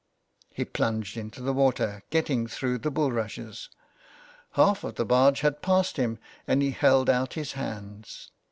He plunged into the water, getting through the bulrushes. Half of the barge had passed him, and he held out his hands.